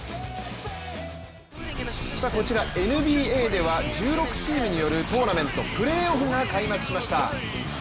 こちらＮＢＡでは１６チームによるトーナメント、プレーオフが開幕しました。